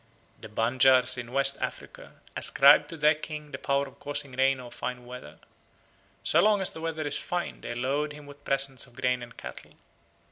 The Banjars in West Africa ascribe to their king the power of causing rain or fine weather. So long as the weather is fine they load him with presents of grain and cattle.